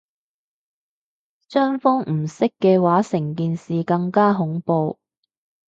雙方唔識嘅話成件事更加恐怖